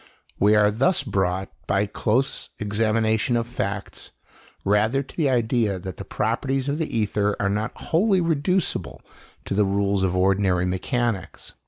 We are thus brought, by a close examination of facts, rather to the idea that the properties of the ether are not wholly reducible to the rules of ordinary mechanics.